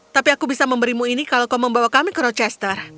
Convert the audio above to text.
tapi aku bisa memberimu ini kalau kau membawa kami ke rochester